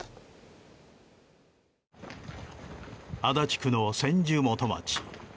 足立区の千住元町。